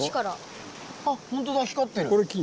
あっほんとだ光ってる。